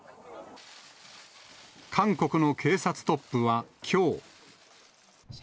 韓国の警察トップはきょう。